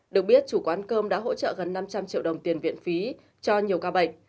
được biết chủ quán cơm đã hỗ trợ gần năm trăm linh triệu đồng tiền viện phí cho nhiều ca bệnh